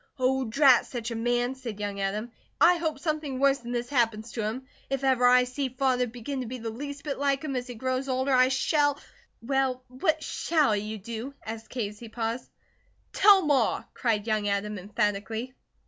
"Oh, drat such a man!" said young Adam. "I hope something worse that this happens to him. If ever I see Father begin to be the least bit like him as he grows older I shall " "Well, what shall you do?" asked Kate, as he paused. "Tell Ma!" cried young Adam, emphatically.